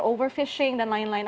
overfishing dan lain lain